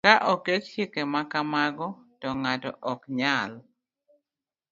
Ka oket chike ma kamago, to ng'ato ok nyal